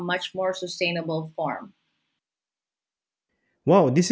menjadi form yang lebih berkelanjutan